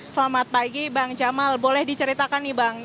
selamat pagi bang jamal boleh diceritakan nih bang